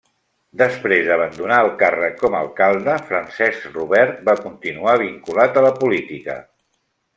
Després d'abandonar el càrrec com a alcalde, Francesc Robert va continuar vinculat a la política.